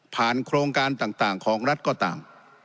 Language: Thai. โครงการต่างของรัฐก็ตาม